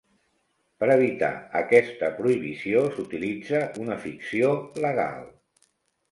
Per evitar aquesta prohibició s'utilitza una ficció legal.